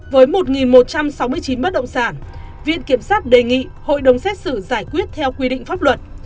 với một một trăm sáu mươi chín bất động sản viện kiểm sát đề nghị hội đồng xét xử giải quyết theo quy định pháp luật